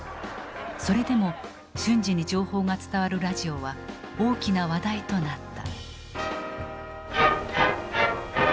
それでも瞬時に情報が伝わるラジオは大きな話題となった。